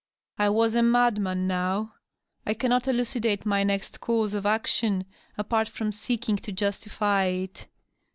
I was a madman, now. I cannot elucidate my next course of action, apart from seeking to justify it.